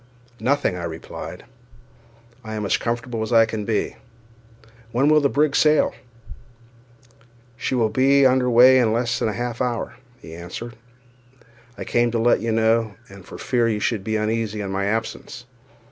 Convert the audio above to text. "Nothing," I replied; "I am as comfortable as can be; when will the brig sail?" "She will be under weigh in less than half an hour," he answered. "I came to let you know, and for fear you should be uneasy at my absence.